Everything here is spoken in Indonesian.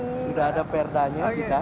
sudah ada perda nya kita